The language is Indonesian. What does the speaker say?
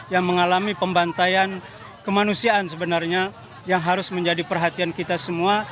yang mengalami pembantaian kemanusiaan sebenarnya yang harus menjadi perhatian kita semua